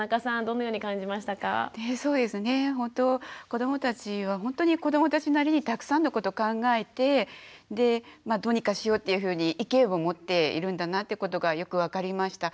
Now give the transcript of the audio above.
子どもたちはほんとに子どもたちなりにたくさんのこと考えてどうにかしようっていうふうに意見を持っているんだなってことがよく分かりました。